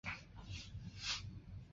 就读于大阪府立北野中学校。